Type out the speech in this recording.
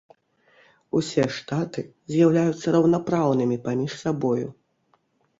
Усе штаты з'яўляюцца раўнапраўнымі паміж сабою.